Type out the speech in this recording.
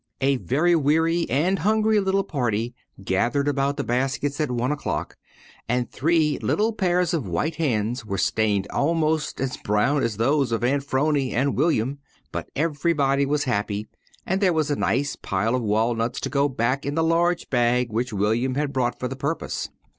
A very weary and hungry little party gathered about the baskets at one o'clock, and three little pairs of white hands were stained almost as brown as those of Aunt 'Phrony and William. But everybody was happy, and there was a nice pile of walnuts to go back in the large bag which William had brought for the purpose.